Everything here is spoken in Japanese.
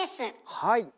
はい！